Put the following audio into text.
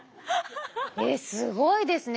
えっすごいですね。